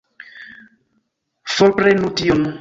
Forprenu tion!